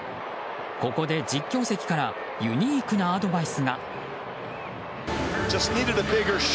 ここで実況席からユニークなアドバイスが。